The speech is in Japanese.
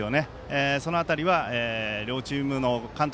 その辺りは両チームの監督